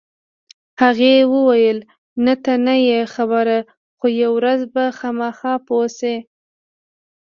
هغې وویل: نه، ته نه یې خبر، خو یوه ورځ به خامخا پوه شې.